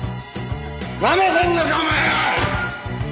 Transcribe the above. なめてんのかお前！